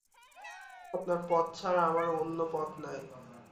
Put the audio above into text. আপনার পথ ছাড়া আমার অন্য পথ নাই।